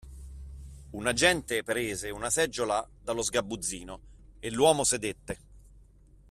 Un agente prese una seggiola dallo sgabuzzino e l’uomo sedette.